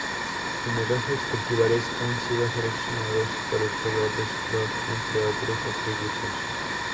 Numerosos cultivares han sido seleccionados por el color de su flor entre otros atributos.